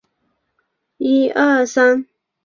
出身于滋贺县。